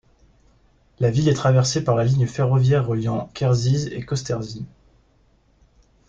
La ville est traversée par la ligne ferroviaire reliant Krzyż et Kostrzyn.